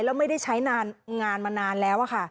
และไม่ได้ใช้งานมานานแล้ว